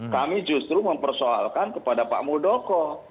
kami justru mempersoalkan kepada pak muldoko